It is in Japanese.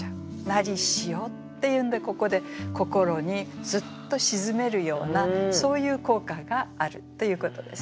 「なりしよ」っていうんでここで心にスッとしずめるようなそういう効果があるということですね。